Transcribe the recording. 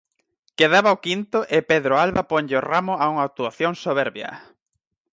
Quedaba o quinto e Pedro Alba ponlle o ramo a unha actuación soberbia.